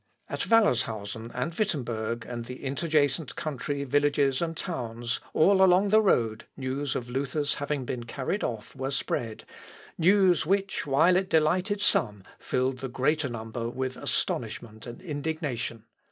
At Wallershausen, and Wittemberg, and the interjacent country, villages, and towns, all along the road, news of Luther's having been carried off were spread, news which, while it delighted some, filled the greater number with astonishment and indignation.